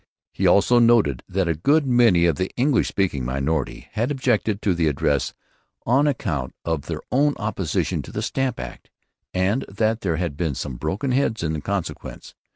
He also noted that a good many of the English speaking minority had objected to the addresses on account of their own opposition to the Stamp Act, and that there had been some broken heads in consequence.